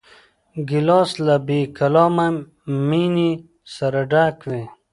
ګیلاس له بېکلامه مینې سره ډک وي.